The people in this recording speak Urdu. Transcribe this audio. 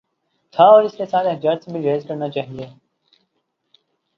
تھا اور اس کے ساتھ احتجاج سے بھی گریز کرنا چاہیے۔